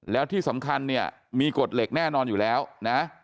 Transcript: แล้วที่สำคัญเนี่ยมีกฎเหล็กแน่นอนอยู่แล้วนะ